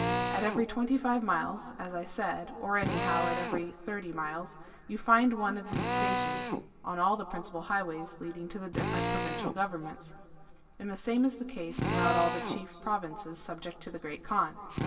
At every twenty five miles, as I said, or anyhow at every thirty miles, you find one of these stations, on all the principal highways leading to the different provincial govern ments ; and the same is the case throughout all the chief provinces subject to the Great Kaan.